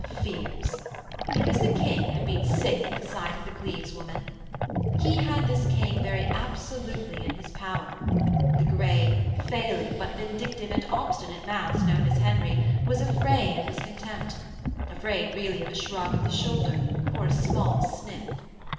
Fears! Because the King had been sick at sight of the Cleves woman! He had this King very absolutely in his power; the grey, failing but vindictive and obstinate mass known as Henry was afraid of his contempt, afraid really of a shrug of the shoulder or a small sniff.